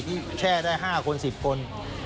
ที่แช่อะไร๕คน๑๐คน